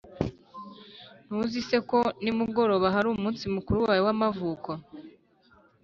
ntuzi se ko nimugoroba hari umunsi mukuru wawe wamavuko,